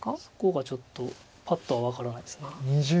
そこがちょっとパッとは分からないです。